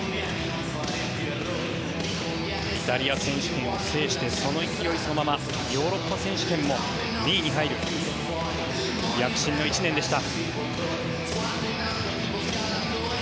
イタリア選手権を制してその勢いそのままヨーロッパ選手権も２位に入る躍進の１年でした。